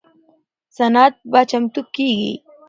سند به چمتو کیږي.